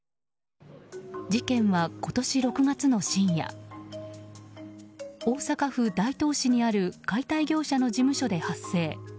事件は今年６月の深夜大阪府大東市にある解体業者の事務所で発生。